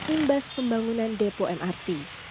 imbas pembangunan depo mrt